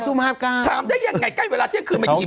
กล้าถามได้ยังไงใกล้เวลาเที่ยงคืนมายิ้ม